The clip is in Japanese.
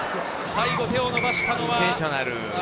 最後、手を伸ばしたのは。